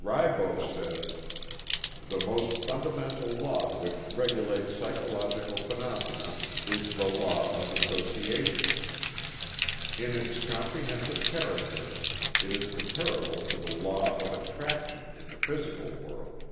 Ribot says: "The most fundamental law which regulates psychological phenomena is the law of association. In its comprehensive character it is comparable to the law of attraction in the physical world."